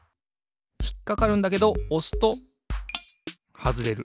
ひっかかるんだけどおすとはずれる。